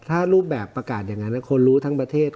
ถ้ารูปแบบประกาศอย่างนั้นคนรู้ทั้งประเทศ